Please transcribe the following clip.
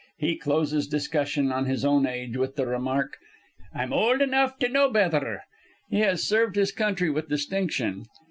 He closes discussion on his own age with the remark, "I'm old enough to know betther." He has served his country with distinction.